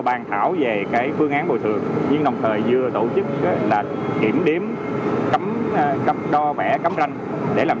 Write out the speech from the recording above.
bàn thảo về cái phương án bồi thường nhưng đồng thời vừa tổ chức là kiểm đếm cấm đo vẽ cấm ranh để làm